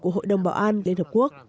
của hội đồng bảo an liên hợp quốc